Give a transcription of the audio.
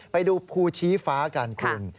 ไปดูภูชีฟ้ากันคุณ